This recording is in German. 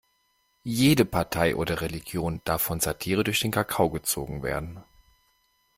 Jede Partei oder Religion darf von Satire durch den Kakao gezogen werden.